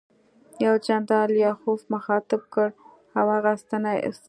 یو جنرال لیاخوف مخاطب کړ او د هغه ستاینه یې وکړه